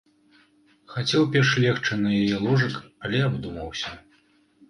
Хацеў перш легчы на яе ложак, але абдумаўся.